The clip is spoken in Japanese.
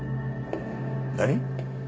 何！？